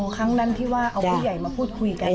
ครั้งนั้นที่ว่าเอาผู้ใหญ่มาพูดคุยกัน